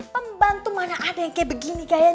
pembantu mana ada yang kaya begini